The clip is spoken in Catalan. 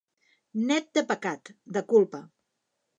Net de pecat, de culpa.